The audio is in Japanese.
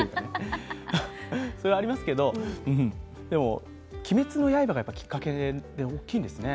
それはありますけど、でも「鬼滅の刃」がきっかけって、大きいんですね。